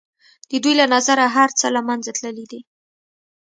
د دوی له نظره هر څه له منځه تللي دي.